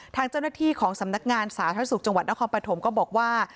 ทางเจ้าหน้าที่ของสำนักงานสาธารณสุขจังหวัดนครปฐมก็บอกว่า